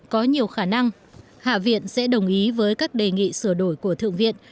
có nhiều khả năng hạ viện sẽ đồng ý với các đề nghị sửa đổi của thượng viện